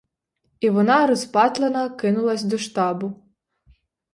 І вона, розпатлана, кинулась до штабу.